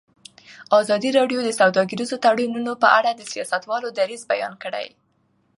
ازادي راډیو د سوداګریز تړونونه په اړه د سیاستوالو دریځ بیان کړی.